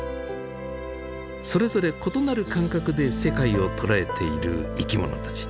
それぞれ異なる感覚で世界を捉えている生きものたち。